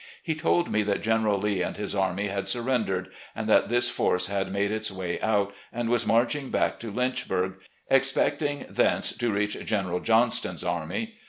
He told me that General Lee and his army had surrendered, and that this force had made its way out, and was marching back to Lynchburg, expecting thence to reach General Johnston's army.